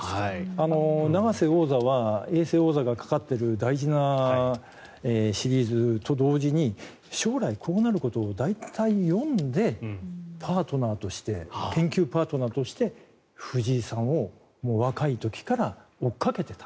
永瀬王座は永世王座がかかっている大事なシリーズと同時に将来、こうなることを大体読んで研究パートナーとして藤井さんを若い時から追いかけていた。